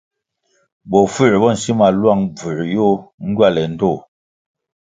Bofuer bo nsil ma luang bvųer yoh ngywale ndtoh.